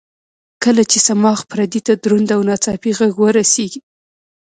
کله چې صماخ پردې ته دروند او ناڅاپي غږ ورسېږي.